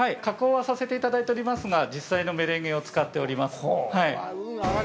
加工はさせていただいておりますが、実際のメレンゲを使っております。